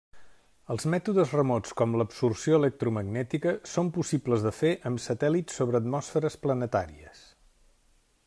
Els mètodes remots com l'absorció electromagnètica són possibles de fer amb satèl·lits sobre atmosferes planetàries.